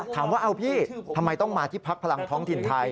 ถามว่าเอาพี่ทำไมต้องมาที่พักพลังท้องถิ่นไทย